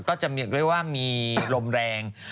ก็จะเรียกว่ามีลมแรง